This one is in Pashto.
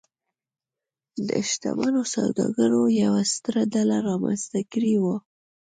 د شتمنو سوداګرو یوه ستره ډله رامنځته کړې وه.